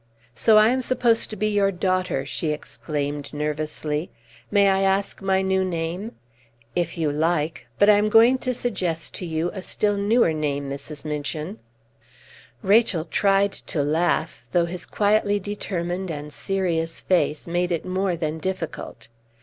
"So I am supposed to be your daughter!" she exclaimed nervously. "May I ask my new name?" "If you like; but I am going to suggest to you a still newer name, Mrs. Minchin." Rachel tried to laugh, though his quietly determined and serious face made it more than difficult.